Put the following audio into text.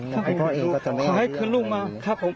ขอให้คืนลูกมาครับผม